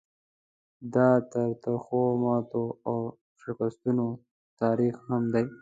دا د ترخو ماتو او شکستونو تاریخ هم دی.